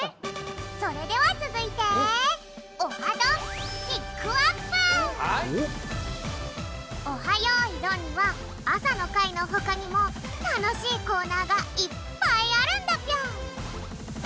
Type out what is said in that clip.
それではつづいて「オハ！よいどん」には朝の会のほかにもたのしいコーナーがいっぱいあるんだぴょん！